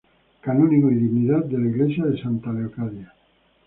Canónigo y dignidad de la iglesia de Santa Leocadia.